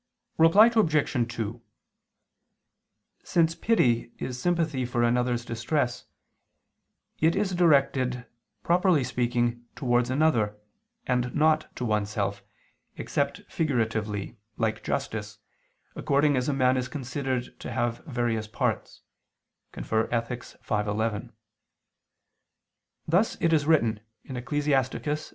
Reply Obj. 2: Since pity is sympathy for another's distress, it is directed, properly speaking, towards another, and not to oneself, except figuratively, like justice, according as a man is considered to have various parts (Ethic. v, 11). Thus it is written (Ecclus.